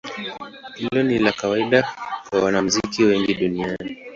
Hilo ni la kawaida kwa wanamuziki wengi duniani.